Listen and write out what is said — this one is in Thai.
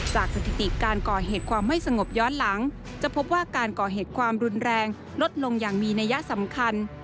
สถิติการก่อเหตุความไม่สงบย้อนหลังจะพบว่าการก่อเหตุความรุนแรงลดลงอย่างมีนัยสำคัญ